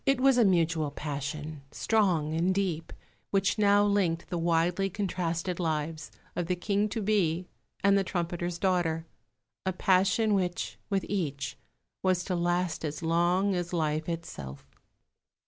It was a mutual passion, strong and deep, which now linked the widely contrasted lives of the King to be and the trumpeter's daughter a passion which, with each, was to last as long as life itself.